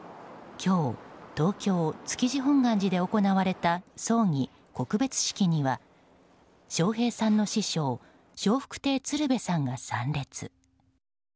今日、東京・築地本願寺で行われた葬儀・告別式には笑瓶さんの師匠笑福亭鶴瓶さんが参列。